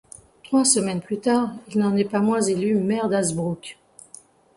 Trois semaines plus tard, il n'en est pas moins élu maire d'Hazebrouck.